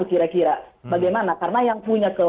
kira kira bagaimana karena yang punya